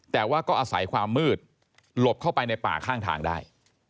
แต่ว่าก็อาศัยความมืดหลบเข้าไปในป่าข้างทางได้